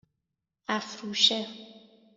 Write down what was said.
اَفروشه